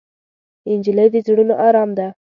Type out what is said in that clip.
نجلۍ د زړونو ارام ده.